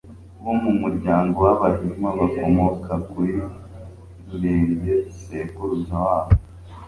bo mu muryango w'Abahima bakomoka kuri Rurenge sekuruza wabo,